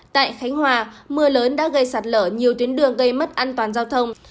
tại khánh hòa mưa lớn đã gây sạt lở nhiều tuyến đường gây mất an toàn giao thông